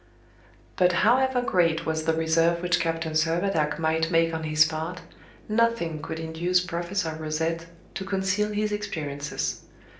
But however great was the reserve which Captain Servadac might make on his part, nothing could induce Professor Rosette to conceal his experiences.